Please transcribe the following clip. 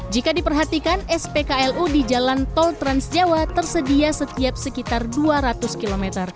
jika diperhatikan spklu di jalan tol trans jawa tersedia setiap sekitar dua ratus km